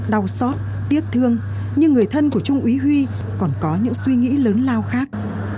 đau xót tiếc thương nhưng người thân của trung úy huy còn có những suy nghĩ lớn lao khác